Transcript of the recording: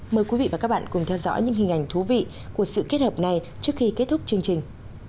mời quý vị và các bạn cùng theo dõi những hình ảnh thú vị của sự kết hợp này trước khi kết thúc chương trình